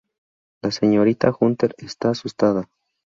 La señorita Hunter está asustada.